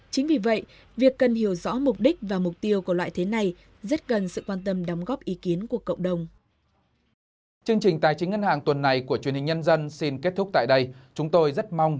chính vì vậy việc cần hiểu rõ mục đích và mục tiêu của loại thế này rất cần sự quan tâm đóng góp ý kiến của cộng đồng